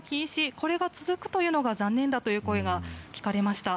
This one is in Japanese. これが続くというのが残念だという声が聞かれました。